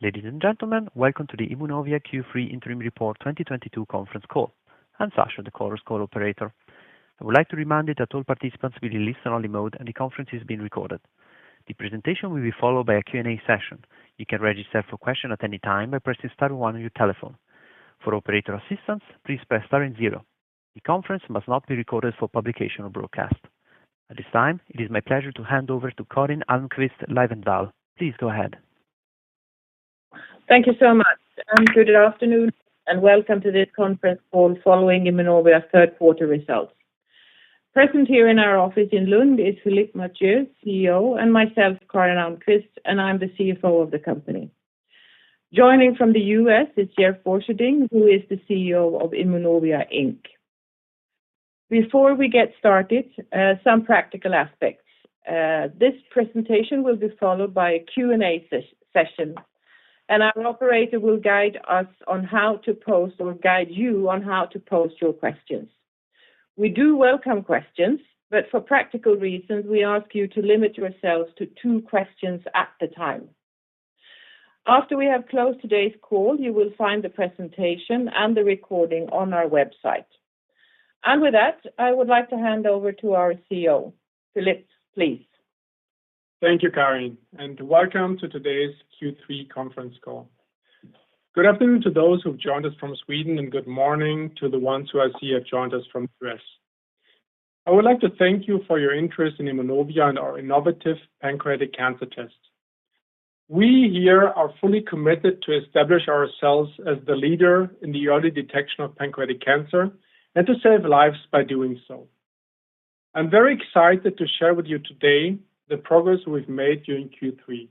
Ladies and gentlemen, welcome to the Immunovia Q3 Interim Report 2022 conference call. I'm Sasha, the call operator. I would like to remind you that all participants will be in listen only mode, and the conference is being recorded. The presentation will be followed by a Q&A session. You can register for question at any time by pressing star one on your telephone. For operator assistance, please press star and zero. The conference must not be recorded for publication or broadcast. At this time, it is my pleasure to hand over to Karin Almqvist Liwendahl. Please go ahead. Thank you so much, and good afternoon, and welcome to this conference call following Immunovia third quarter results. Present here in our office in Lund is Philipp Mathieu, CEO, and myself, Karin Almqvist, and I'm the CFO of the company. Joining from the US is Jeff Borcherding, who is the CEO of Immunovia, Inc, Before we get started, some practical aspects. This presentation will be followed by a Q&A session, and our operator will guide us on how to pose or guide you on how to pose your questions. We do welcome questions, but for practical reasons, we ask you to limit yourselves to two questions at a time. After we have closed today's call, you will find the presentation and the recording on our website. With that, I would like to hand over to our CEO. Philipp, please. Thank you, Karin, and welcome to today's Q3 conference call. Good afternoon to those who have joined us from Sweden, and good morning to the ones who I see have joined us from U.S. I would like to thank you for your interest in Immunovia and our innovative pancreatic cancer test. We here are fully committed to establish ourselves as the leader in the early detection of pancreatic cancer and to save lives by doing so. I'm very excited to share with you today the progress we've made during Q3.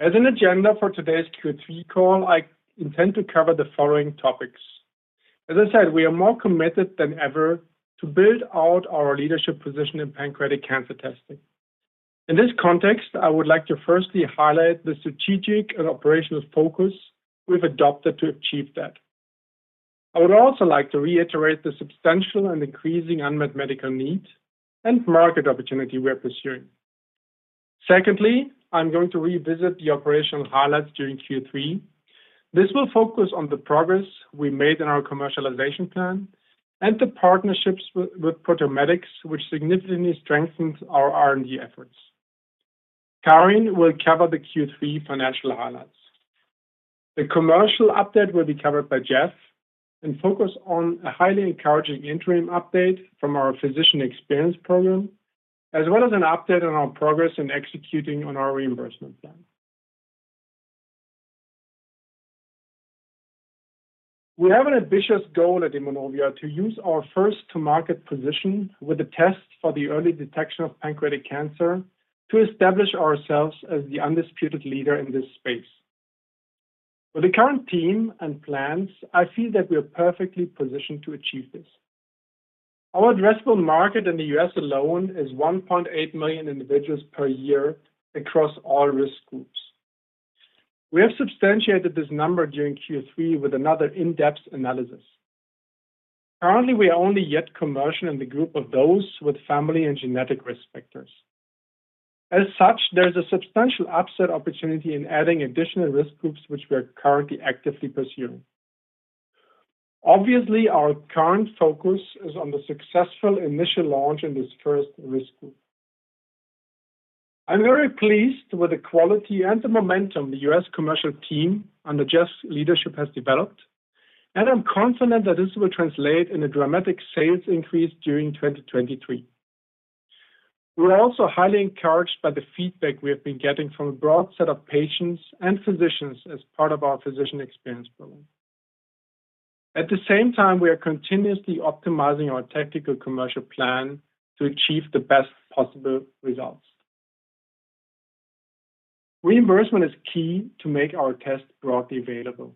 As an agenda for today's Q3 call, I intend to cover the following topics. As I said, we are more committed than ever to build out our leadership position in pancreatic cancer testing. In this context, I would like to firstly highlight the strategic and operational focus we've adopted to achieve that. I would also like to reiterate the substantial and increasing unmet medical need and market opportunity we are pursuing. Secondly, I'm going to revisit the operational highlights during Q3. This will focus on the progress we made in our commercialization plan and the partnerships with Proteomedix, which significantly strengthens our R&D efforts. Karin will cover the Q3 financial highlights. The commercial update will be covered by Jeff and focus on a highly encouraging interim update from our physician experience program, as well as an update on our progress in executing on our reimbursement plan. We have an ambitious goal at Immunovia to use our first to market position with the test for the early detection of pancreatic cancer to establish ourselves as the undisputed leader in this space. With the current team and plans, I feel that we are perfectly positioned to achieve this. Our addressable market in the U.S. alone is 1.8 million individuals per year across all risk groups. We have substantiated this number during Q3 with another in-depth analysis. Currently, we are only yet commercial in the group of those with family and genetic risk factors. As such, there's a substantial upside opportunity in adding additional risk groups which we are currently actively pursuing. Obviously, our current focus is on the successful initial launch in this first risk group. I'm very pleased with the quality and the momentum the U.S. commercial team under Jeff Borcherding's leadership has developed, and I'm confident that this will translate in a dramatic sales increase during 2023. We're also highly encouraged by the feedback we have been getting from a broad set of patients and physicians as part of our physician experience program. At the same time, we are continuously optimizing our tactical commercial plan to achieve the best possible results. Reimbursement is key to make our test broadly available.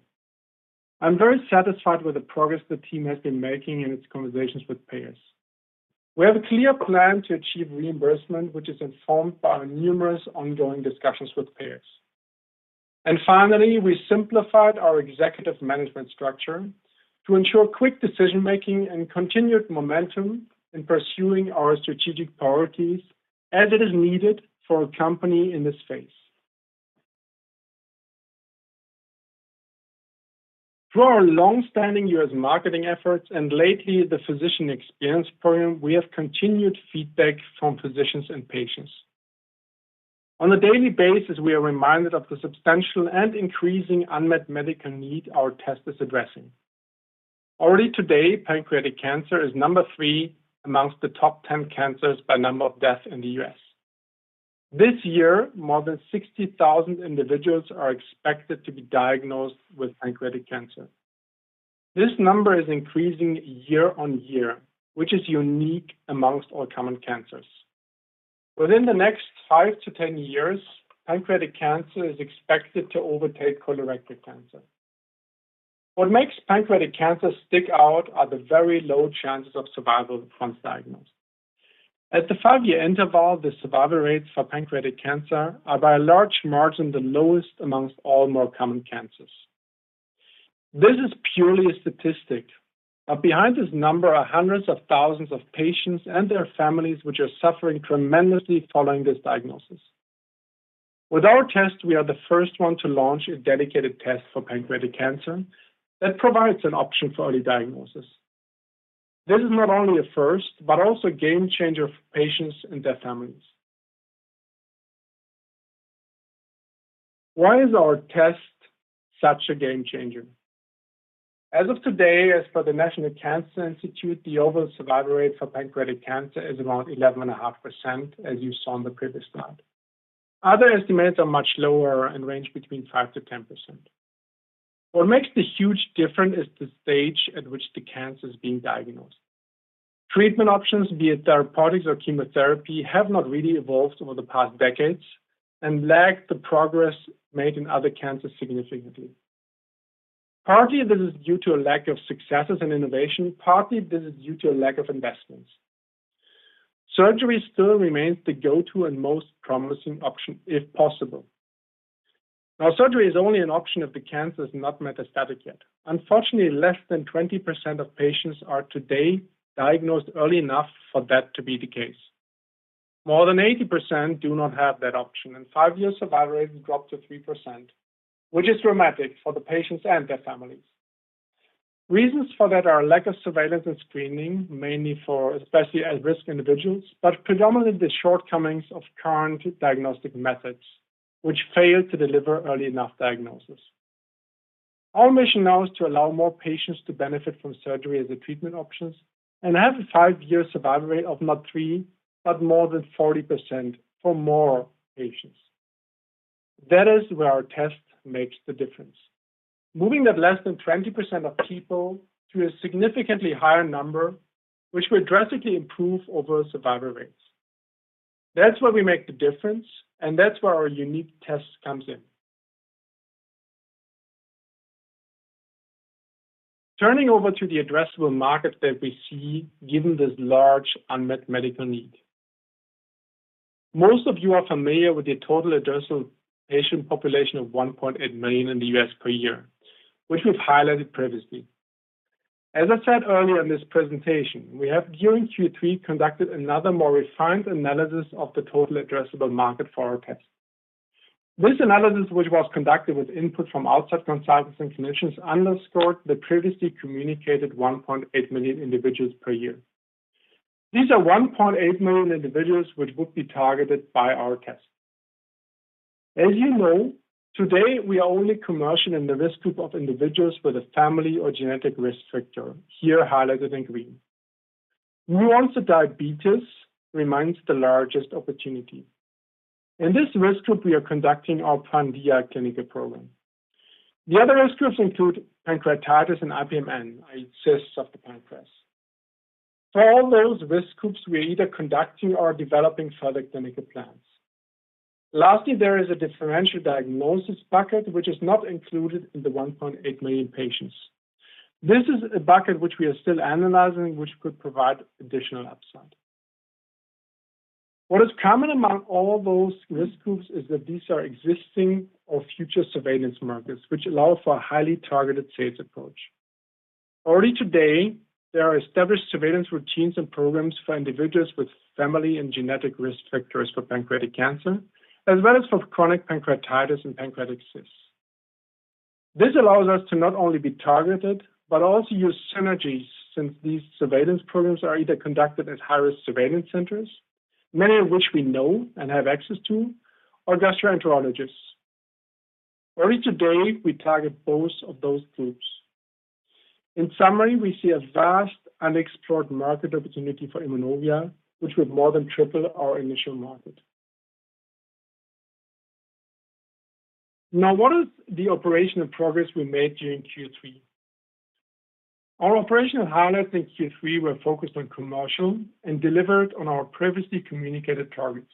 I'm very satisfied with the progress the team has been making in its conversations with payers. We have a clear plan to achieve reimbursement, which is informed by our numerous ongoing discussions with payers. Finally, we simplified our executive management structure to ensure quick decision-making and continued momentum in pursuing our strategic priorities as it is needed for a company in this space. Through our long-standing U.S. marketing efforts, and lately the physician experience program, we have continued feedback from physicians and patients. On a daily basis, we are reminded of the substantial and increasing unmet medical need our test is addressing. Already today, pancreatic cancer is number three among the top 10 cancers by number of deaths in the U.S. This year, more than 60,000 individuals are expected to be diagnosed with pancreatic cancer. This number is increasing year-on-year, which is unique among all common cancers. Within the next 5-10 years, pancreatic cancer is expected to overtake colorectal cancer. What makes pancreatic cancer stick out are the very low chances of survival once diagnosed. At the five-year interval, the survival rates for pancreatic cancer are by a large margin the lowest among all more common cancers. This is purely a statistic, but behind this number are hundreds of thousands of patients and their families which are suffering tremendously following this diagnosis. With our test, we are the first one to launch a dedicated test for pancreatic cancer that provides an option for early diagnosis. This is not only a first, but also a game changer for patients and their families. Why is our test such a game changer? As of today, as per the National Cancer Institute, the overall survival rate for pancreatic cancer is around 11.5%, as you saw on the previous slide. Other estimates are much lower and range between 5%-10%. What makes the huge difference is the stage at which the cancer is being diagnosed. Treatment options, be it therapeutics or chemotherapy, have not really evolved over the past decades and lag the progress made in other cancers significantly. Partly, this is due to a lack of successes in innovation. Partly, this is due to a lack of investments. Surgery still remains the go-to and most promising option if possible. Now, surgery is only an option if the cancer is not metastatic yet. Unfortunately, less than 20% of patients are today diagnosed early enough for that to be the case. More than 80% do not have that option, and five-year survival rates drop to 3%, which is dramatic for the patients and their families. Reasons for that are lack of surveillance and screening, mainly for especially at-risk individuals, but predominantly the shortcomings of current diagnostic methods, which fail to deliver early enough diagnosis. Our mission now is to allow more patients to benefit from surgery as a treatment option and have a five-year survival rate of not 3%, but more than 40% for more patients. That is where our test makes the difference. Moving that less than 20% of people to a significantly higher number, which will drastically improve overall survival rates. That's where we make the difference, and that's where our unique test comes in. Turning over to the addressable market that we see, given this large unmet medical need. Most of you are familiar with the total addressable patient population of 1.8 million in the U.S. per year, which we've highlighted previously. As I said earlier in this presentation, we have, during Q3, conducted another more refined analysis of the total addressable market for our test. This analysis, which was conducted with input from outside consultants and clinicians, underscored the previously communicated 1.8 million individuals per year. These are 1.8 million individuals which would be targeted by our test. As you know, today we are only commercial in the risk group of individuals with a family or genetic risk factor, here highlighted in green. New onset diabetes remains the largest opportunity. In this risk group, we are conducting our PanDIA clinical program. The other risk groups include pancreatitis and IPMN, i.e., cysts of the pancreas. For all those risk groups, we are either conducting or developing further clinical plans. Lastly, there is a differential diagnosis bucket, which is not included in the 1.8 million patients. This is a bucket which we are still analyzing, which could provide additional upside. What is common among all those risk groups is that these are existing or future surveillance markets, which allow for a highly targeted sales approach. Already today, there are established surveillance routines and programs for individuals with family and genetic risk factors for pancreatic cancer, as well as for chronic pancreatitis and pancreatic cysts. This allows us to not only be targeted, but also use synergies since these surveillance programs are either conducted at high-risk surveillance centers, many of which we know and have access to, or gastroenterologists. Already today, we target both of those groups. In summary, we see a vast unexplored market opportunity for Immunovia, which will more than triple our initial market. Now, what is the operational progress we made during Q3? Our operational highlights in Q3 were focused on commercial and delivered on our previously communicated targets.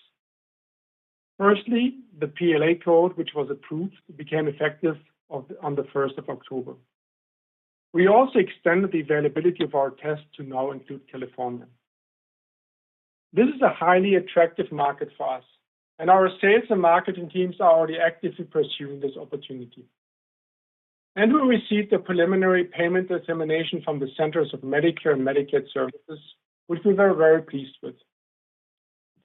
Firstly, the PLA code, which was approved, became effective on the first of October. We also extended the availability of our test to now include California. This is a highly attractive market for us, and our sales and marketing teams are already actively pursuing this opportunity. We received a preliminary payment determination from the Centers for Medicare & Medicaid Services, which we were very pleased with.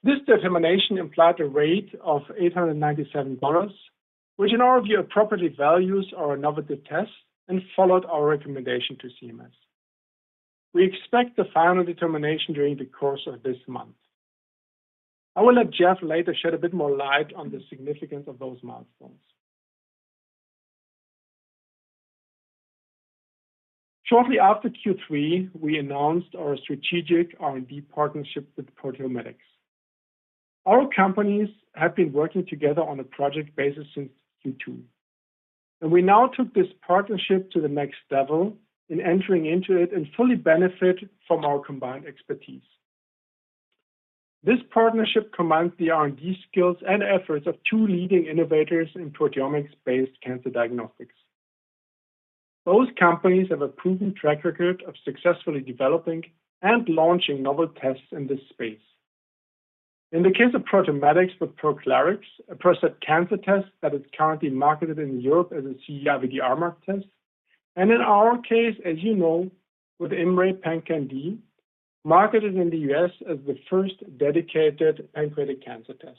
This determination implied a rate of $897, which in our view appropriately values our innovative test and followed our recommendation to CMS. We expect the final determination during the course of this month. I will let Jeff later shed a bit more light on the significance of those milestones. Shortly after Q3, we announced our strategic R&D partnership with Proteomedix. Our companies have been working together on a project basis since Q2, and we now took this partnership to the next level in entering into it and fully benefit from our combined expertise. This partnership combines the R&D skills and efforts of two leading innovators in proteomics-based cancer diagnostics. Both companies have a proven track record of successfully developing and launching novel tests in this space. In the case of Proteomedix with Proclarix, a prostate cancer test that is currently marketed in Europe as a CE-IVD mark test, and in our case, as you know, with IMMray PanCan-d, marketed in the U.S. as the first dedicated pancreatic cancer test.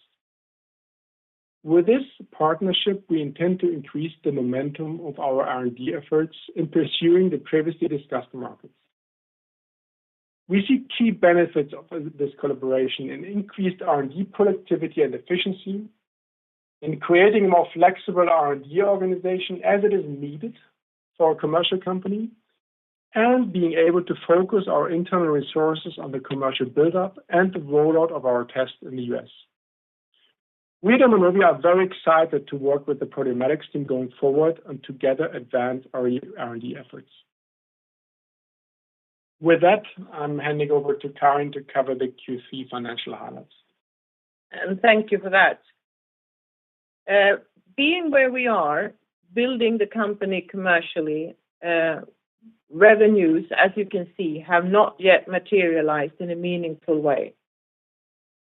With this partnership, we intend to increase the momentum of our R&D efforts in pursuing the previously discussed markets. We see key benefits of this collaboration in increased R&D productivity and efficiency, in creating a more flexible R&D organization as it is needed for a commercial company, and being able to focus our internal resources on the commercial buildup and the rollout of our tests in the U.S. We at Immunovia are very excited to work with the Proteomedix team going forward and together advance our R&D efforts. With that, I'm handing over to Karin to cover the Q3 financial highlights. Thank you for that. Being where we are, building the company commercially, revenues, as you can see, have not yet materialized in a meaningful way.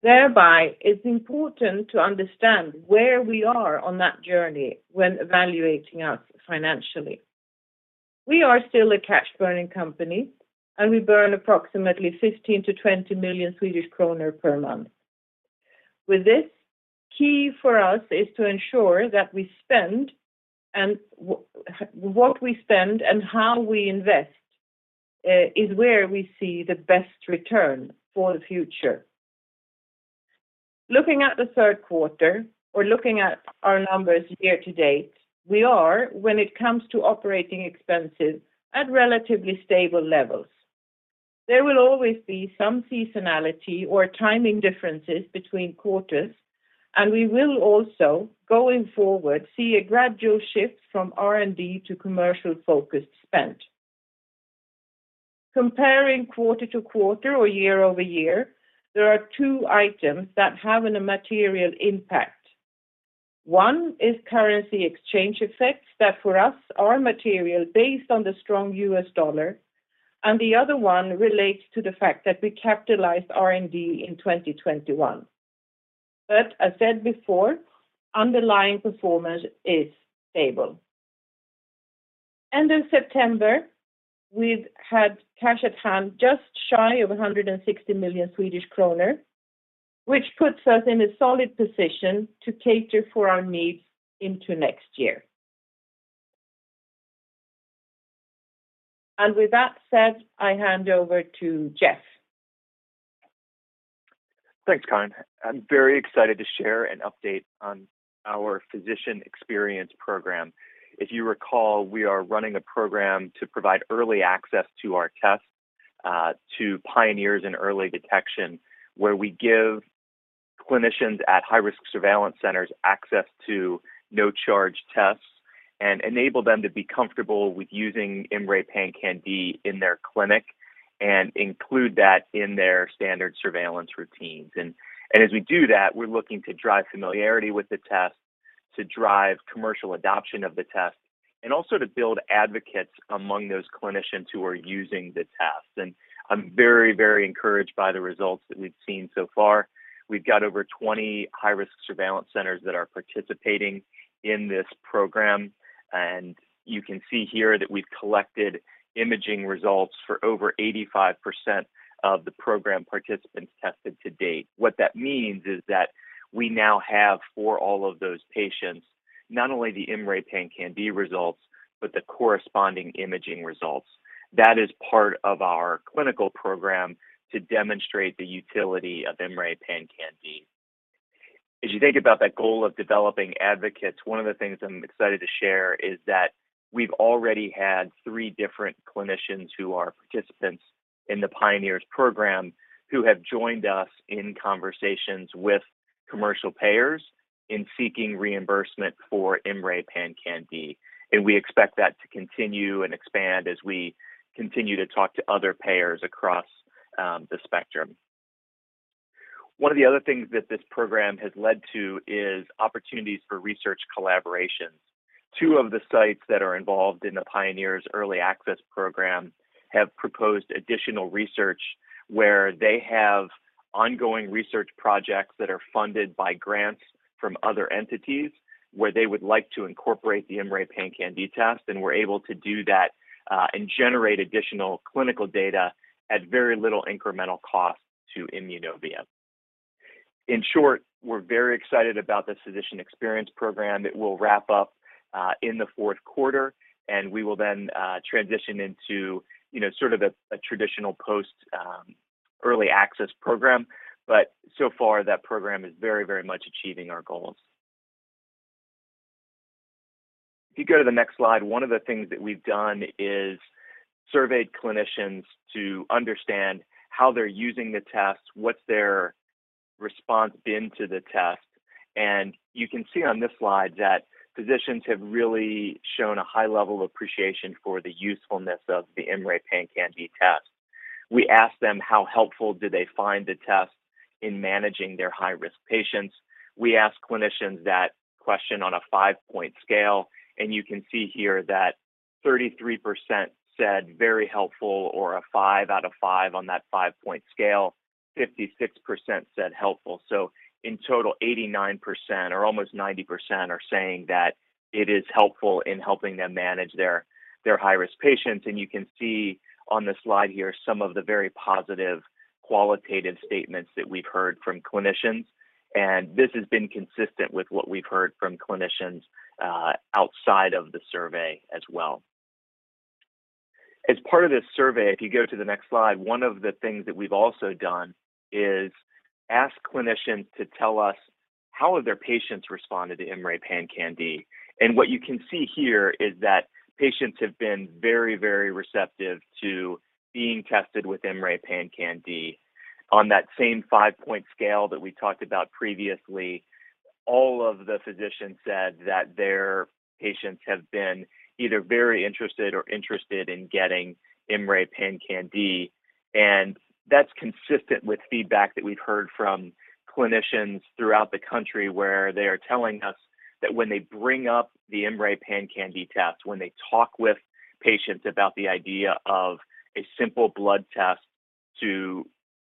Thereby, it's important to understand where we are on that journey when evaluating us financially. We are still a cash-burning company, and we burn approximately 15 million-20 million Swedish kronor per month. With this, key for us is to ensure that we spend and what we spend and how we invest is where we see the best return for the future. Looking at the third quarter or looking at our numbers year to date, we are, when it comes to operating expenses, at relatively stable levels. There will always be some seasonality or timing differences between quarters, and we will also, going forward, see a gradual shift from R&D to commercial-focused spend. Comparing quarter-over-quarter or year-over-year, there are two items that have a material impact. One is currency exchange effects that for us are material based on the strong US dollar, and the other one relates to the fact that we capitalized R&D in 2021. As said before, underlying performance is stable. End of September, we've had cash at hand just shy of 160 million Swedish kronor, which puts us in a solid position to cater for our needs into next year. With that said, I hand over to Jeff. Thanks, Karin. I'm very excited to share an update on our physician experience program. If you recall, we are running a program to provide early access to our tests, to pioneers in early detection, where we give clinicians at high-risk surveillance centers access to no-charge tests and enable them to be comfortable with using IMMray PanCan-d in their clinic and include that in their standard surveillance routines. as we do that, we're looking to drive familiarity with the test, to drive commercial adoption of the test, and also to build advocates among those clinicians who are using the test. I'm very, very encouraged by the results that we've seen so far. We've got over 20 high-risk surveillance centers that are participating in this program, and you can see here that we've collected imaging results for over 85% of the program participants tested to date. What that means is that we now have for all of those patients, not only the IMMray PanCan-d results, but the corresponding imaging results. That is part of our clinical program to demonstrate the utility of IMMray PanCan-d. As you think about that goal of developing advocates, one of the things I'm excited to share is that we've already had three different clinicians who are participants in the pioneers program who have joined us in conversations with commercial payers in seeking reimbursement for IMMray PanCan-d. We expect that to continue and expand as we continue to talk to other payers across the spectrum. One of the other things that this program has led to is opportunities for research collaborations. Two of the sites that are involved in the Pioneers Early Access Program have proposed additional research where they have ongoing research projects that are funded by grants from other entities, where they would like to incorporate the IMMray PanCan-d test, and we're able to do that, and generate additional clinical data at very little incremental cost to Immunovia. In short, we're very excited about this Physician Experience Program. It will wrap up in the fourth quarter, and we will then transition into, you know, sort of a traditional post early access program. So far, that program is very, very much achieving our goals. If you go to the next slide, one of the things that we've done is surveyed clinicians to understand how they're using the test, what's their response been to the test. You can see on this slide that physicians have really shown a high level of appreciation for the usefulness of the IMMray PanCan-d test. We asked them how helpful do they find the test in managing their high-risk patients. We asked clinicians that question on a five-point scale, and you can see here that 33% said very helpful or a five out of five on that five-point scale. 56% said helpful. So in total, 89% or almost 90% are saying that it is helpful in helping them manage their high-risk patients. You can see on the slide here some of the very positive qualitative statements that we've heard from clinicians, and this has been consistent with what we've heard from clinicians outside of the survey as well. As part of this survey, if you go to the next slide, one of the things that we've also done is ask clinicians to tell us how have their patients responded to IMMray PanCan-d. What you can see here is that patients have been very, very receptive to being tested with IMMray PanCan-d. On that same five-point scale that we talked about previously, all of the physicians said that their patients have been either very interested or interested in getting IMMray PanCan-d, and that's consistent with feedback that we've heard from clinicians throughout the country where they are telling us that when they bring up the IMMray PanCan-d test, when they talk with patients about the idea of a simple blood test to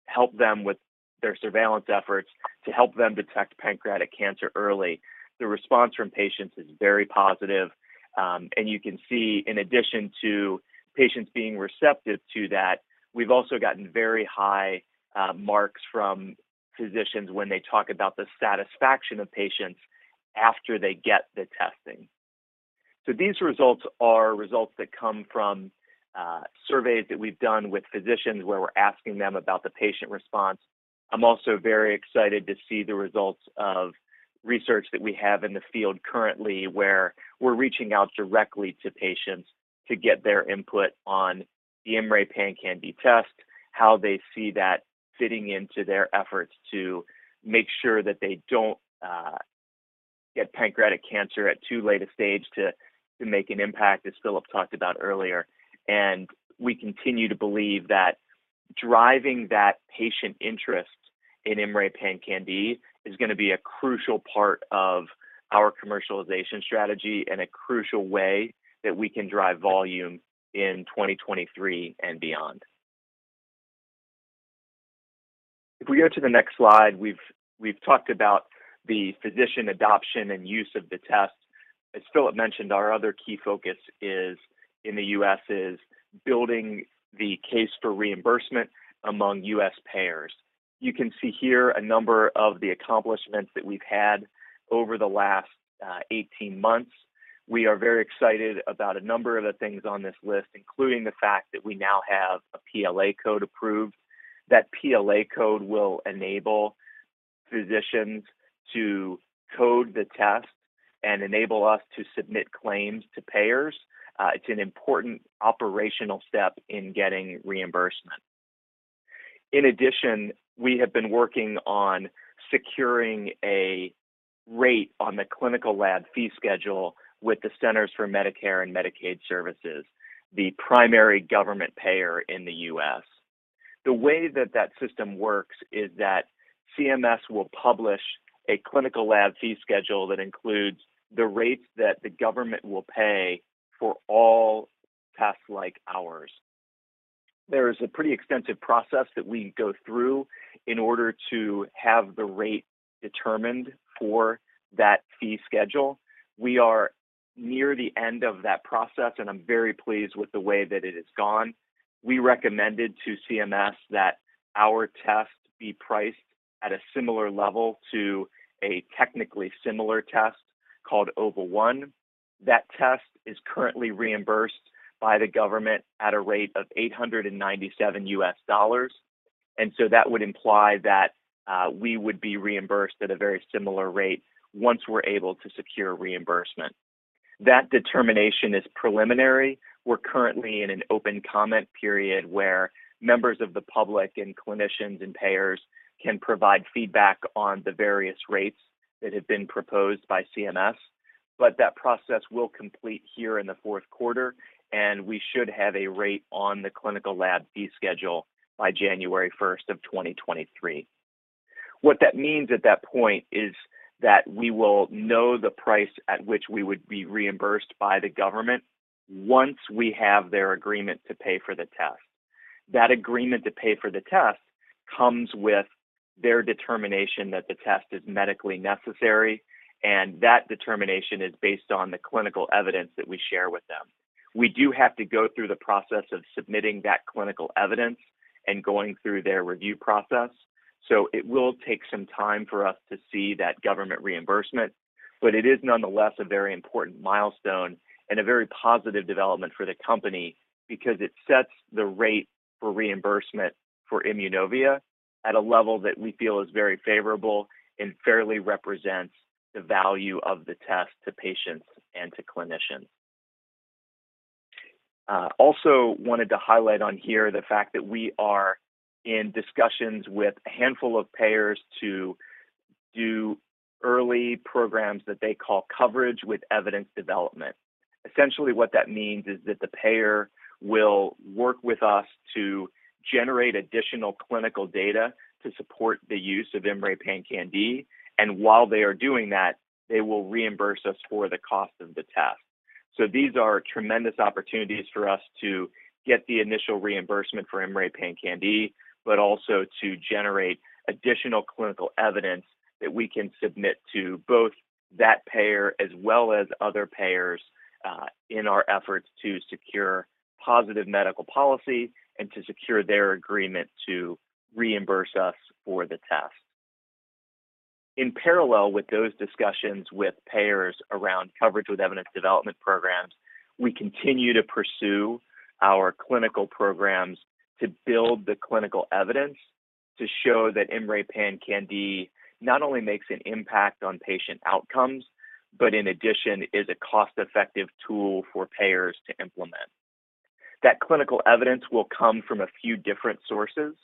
help them with their surveillance efforts, to help them detect pancreatic cancer early, the response from patients is very positive. You can see in addition to patients being receptive to that, we've also gotten very high marks from physicians when they talk about the satisfaction of patients after they get the testing. These results are results that come from surveys that we've done with physicians where we're asking them about the patient response. I'm also very excited to see the results of research that we have in the field currently, where we're reaching out directly to patients to get their input on the IMMray PanCan-d test, how they see that fitting into their efforts to make sure that they don't get pancreatic cancer at too late a stage to make an impact, as Philip talked about earlier. We continue to believe that driving that patient interest in IMMray PanCan-d is going to be a crucial part of our commercialization strategy and a crucial way that we can drive volume in 2023 and beyond. If we go to the next slide, we've talked about the physician adoption and use of the test. As Philipp mentioned, our other key focus, in the U.S., is building the case for reimbursement among U.S. payers. You can see here a number of the accomplishments that we've had over the last 18 months. We are very excited about a number of the things on this list, including the fact that we now have a PLA code approved. That PLA code will enable physicians to code the test and enable us to submit claims to payers. It's an important operational step in getting reimbursement. In addition, we have been working on securing a rate on the Clinical Laboratory Fee Schedule with the Centers for Medicare & Medicaid Services, the primary government payer in the U.S. The way that that system works is that CMS will publish a Clinical Laboratory Fee Schedule that includes the rates that the government will pay for all tests like ours. There is a pretty extensive process that we go through in order to have the rate determined for that fee schedule. We are near the end of that process, and I'm very pleased with the way that it has gone. We recommended to CMS that our test be priced at a similar level to a technically similar test called OVA1. That test is currently reimbursed by the government at a rate of $897, and so that would imply that we would be reimbursed at a very similar rate once we're able to secure reimbursement. That determination is preliminary. We're currently in an open comment period where members of the public and clinicians and payers can provide feedback on the various rates that have been proposed by CMS. That process will complete here in the fourth quarter, and we should have a rate on the Clinical Laboratory Fee Schedule by January first of 2023. What that means at that point is that we will know the price at which we would be reimbursed by the government once we have their agreement to pay for the test. That agreement to pay for the test comes with their determination that the test is medically necessary, and that determination is based on the clinical evidence that we share with them. We do have to go through the process of submitting that clinical evidence and going through their review process. It will take some time for us to see that government reimbursement, but it is nonetheless a very important milestone and a very positive development for the company because it sets the rate for reimbursement for Immunovia at a level that we feel is very favorable and fairly represents the value of the test to patients and to clinicians. Also wanted to highlight on here the fact that we are in discussions with a handful of payers to do early programs that they call Coverage with Evidence Development. Essentially what that means is that the payer will work with us to generate additional clinical data to support the use of IMMray PanCan-d, and while they are doing that, they will reimburse us for the cost of the test. These are tremendous opportunities for us to get the initial reimbursement for IMMray PanCan-d, but also to generate additional clinical evidence that we can submit to both that payer as well as other payers, in our efforts to secure positive medical policy and to secure their agreement to reimburse us for the test. In parallel with those discussions with payers around coverage with evidence development programs, we continue to pursue our clinical programs to build the clinical evidence to show that IMMray PanCan-d not only makes an impact on patient outcomes, but in addition, is a cost-effective tool for payers to implement. That clinical evidence will come from a few different sources.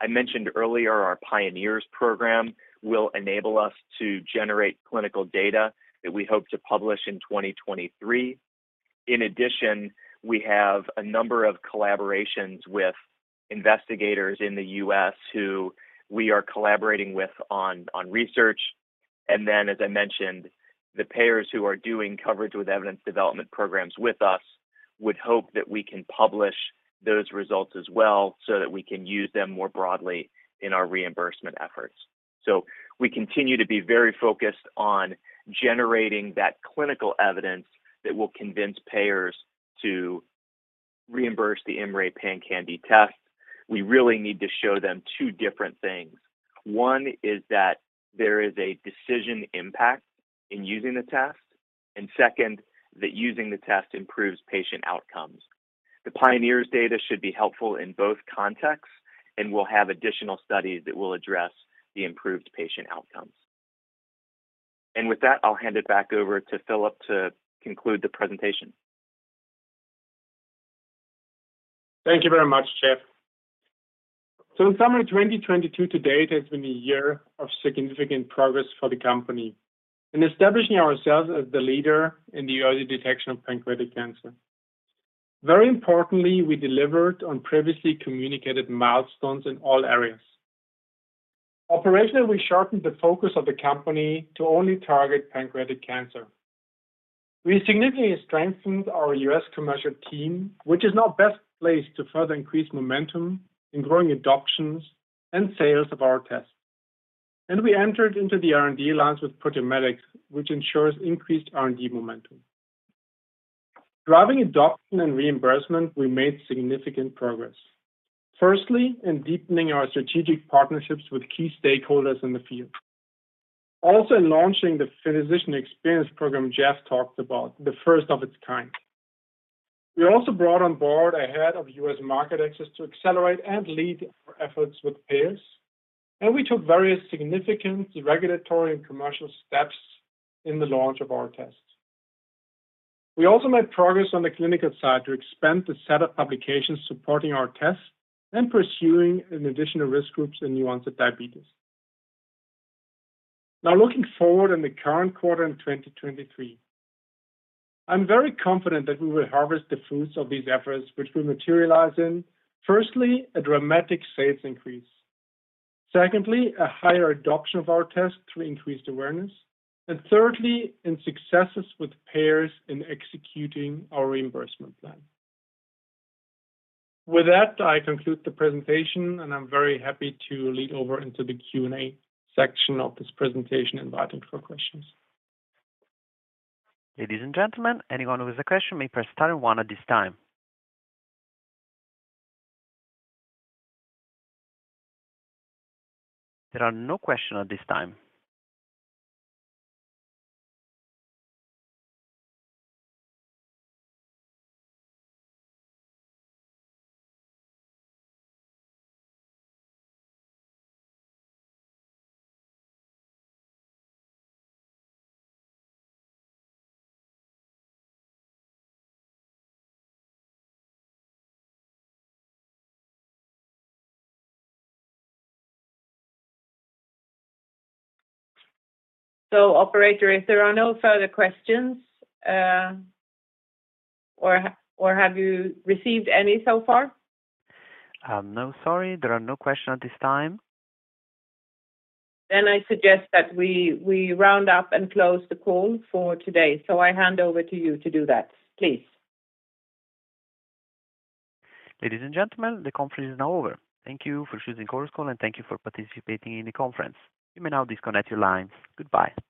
I mentioned earlier, our pioneers program will enable us to generate clinical data that we hope to publish in 2023. In addition, we have a number of collaborations with investigators in the U.S. who we are collaborating with on research. As I mentioned, the payers who are doing Coverage with Evidence Development programs with us would hope that we can publish those results as well so that we can use them more broadly in our reimbursement efforts. We continue to be very focused on generating that clinical evidence that will convince payers to reimburse the IMMray PanCan-d test. We really need to show them two different things. One is that there is a decision impact in using the test, and second, that using the test improves patient outcomes. The pioneers data should be helpful in both contexts, and we'll have additional studies that will address the improved patient outcomes. With that, I'll hand it back over to Philipp to conclude the presentation. Thank you very much, Jeff. In summary, 2022 to date has been a year of significant progress for the company in establishing ourselves as the leader in the early detection of pancreatic cancer. Very importantly, we delivered on previously communicated milestones in all areas. Operationally, we sharpened the focus of the company to only target pancreatic cancer. We significantly strengthened our U.S. commercial team, which is now best placed to further increase momentum in growing adoptions and sales of our tests. We entered into the R&D alliance with Proteomedix, which ensures increased R&D momentum. Driving adoption and reimbursement, we made significant progress. Firstly, in deepening our strategic partnerships with key stakeholders in the field. Also in launching the physician experience program Jeff talked about, the first of its kind. We also brought on board a head of U.S. market access to accelerate and lead our efforts with payers, and we took various significant regulatory and commercial steps in the launch of our tests. We also made progress on the clinical side to expand the set of publications supporting our tests and pursuing an additional risk groups in new onset diabetes. Now looking forward in the current quarter in 2023, I'm very confident that we will harvest the fruits of these efforts, which will materialize in, firstly, a dramatic sales increase. Secondly, a higher adoption of our test through increased awareness. Thirdly, in successes with payers in executing our reimbursement plan. With that, I conclude the presentation, and I'm very happy to lead over into the Q&A section of this presentation, inviting for questions. Ladies and gentlemen, anyone who has a question may press star one at this time. There are no questions at this time. Operator, if there are no further questions, or have you received any so far? No, sorry. There are no questions at this time. I suggest that we round up and close the call for today. I hand over to you to do that, please. Ladies and gentlemen, the conference is now over. Thank you for choosing Chorus Call, and thank you for participating in the conference. You may now disconnect your lines. Goodbye.